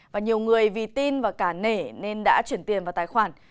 và nhiều người vì tin và cả nể nên đã chuyển tiền vào tài khoản